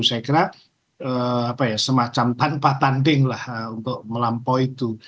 saya kira semacam tanpa tanding lah untuk melampaui itu